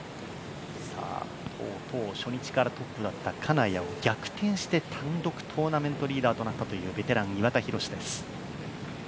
とうとう初日からトップだった金谷を逆転して単独トーナメントリーダーとなったベテラン・岩田寛です。